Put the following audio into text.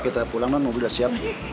kita pulang nanti mobil udah siap